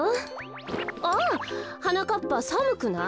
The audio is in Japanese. あはなかっぱさむくない？